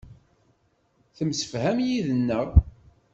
Temsefham yid-neɣ.